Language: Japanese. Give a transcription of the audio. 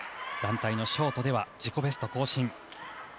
団体のショートでは自己ベスト更新。